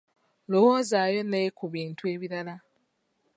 Lowoozaayo ne ku bintu ebirala.